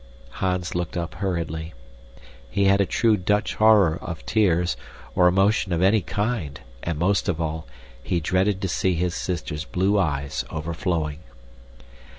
Hans looked up hurriedly. He had a true Dutch horror or tears, or emotion of any kind, and most of all, he dreaded to see his sisters' blue eyes overflowing.